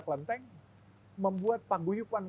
kelenteng membuat paguyukan